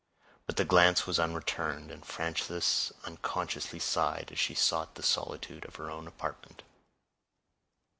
But the glance was unreturned, and Frances unconsciously sighed as she sought the solitude of her own apartment.